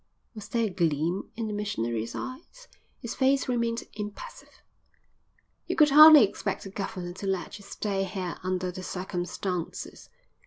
Was there a gleam in the missionary's eyes? His face remained impassive. "You could hardly expect the governor to let you stay here under the circumstances."